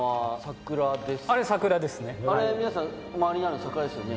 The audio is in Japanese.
あれ皆さん周りにあるの桜ですよね。